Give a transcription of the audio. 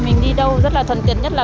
mình đi đâu rất là thuần tiệt nhất là